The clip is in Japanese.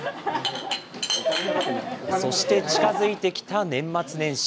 そして近づいてきた年末年始。